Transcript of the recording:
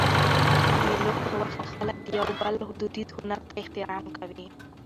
د مېلو پر وخت خلک د یو بل دودیز هنر ته احترام کوي.